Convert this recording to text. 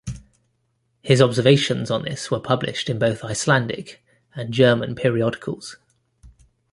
His observations on this were published in both Icelandic and German periodicals.